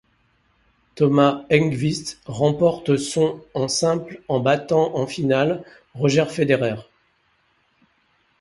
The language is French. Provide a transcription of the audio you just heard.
Thomas Enqvist remporte son en simple en battant en finale Roger Federer.